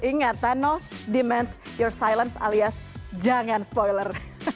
ingat thanos demands your silence alias jangan spoiler